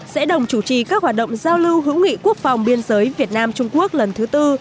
sẽ đồng chủ trì các hoạt động giao lưu hữu nghị quốc phòng biên giới việt nam trung quốc lần thứ tư